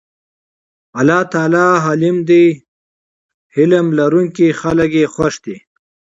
الله تعالی حليم دی حِلم لرونکي خلک ئي خوښ دي